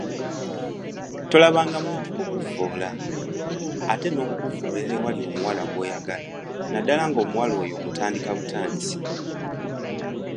Tolaba nga muntu kukuvvoola ate n’okuvvoolera awali omuwala gw’oyagala naddala ng’omuwala oyo omutandika butandisi!